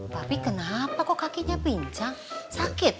tapi kenapa kok kakinya pincang sakit